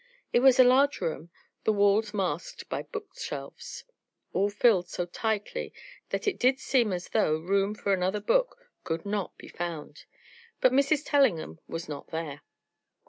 It was a large room, the walls masked by bookshelves, all filled so tightly that it did seem as though room for another book could not be found. But Mrs. Tellingham was not there.